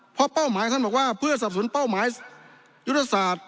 เพราะเป้าหมายท่านบอกว่าเพื่อสับสนเป้าหมายยุทธศาสตร์